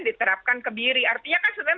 diterapkan kebiri artinya kan sebenarnya